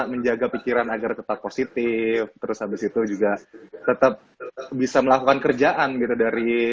menjaga pikiran agar tetap positif terus abis itu juga tetap bisa melakukan kerjaan gitu dari